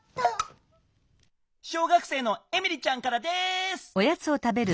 小学生のエミリちゃんからです！